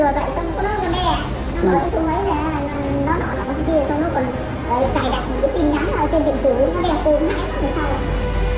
xong rồi xong ấy là nó đỏ vào băng kia xong nó còn cài đặt những cái tin nhắn ở trên tiệm tiểu nó đe phố ngãi xong rồi sau